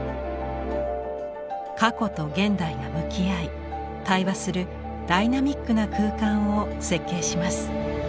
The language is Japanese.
「過去」と「現代」が向き合い対話するダイナミックな空間を設計します。